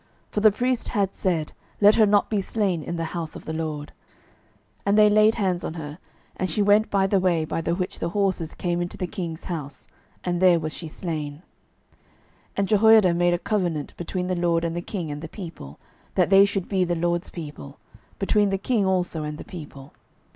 For the priest had said, Let her not be slain in the house of the LORD. 12:011:016 And they laid hands on her; and she went by the way by the which the horses came into the king's house: and there was she slain. 12:011:017 And Jehoiada made a covenant between the LORD and the king and the people, that they should be the LORD's people; between the king also and the people.